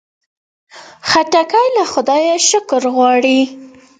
خټکی له خدایه شکر غواړي.